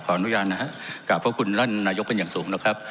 อนุญาตนะฮะกราบพระคุณท่านนายกเป็นอย่างสูงนะครับ